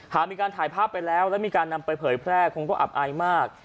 หากมีการถ่ายภาพไปแล้วแล้วมีการนำไปเผยแพร่คงก็อับอายมาก